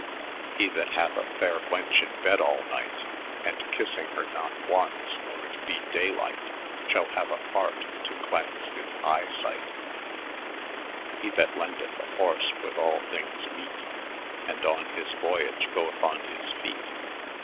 mi ' He that hath a faire wenche in bed all night. And kyssyng her not onae or it be day lyght. Shall bane a fart to dense his eye syght. let ' He that lendeth a horse, with all thynges mete, And on his own vyage gooth on his fete.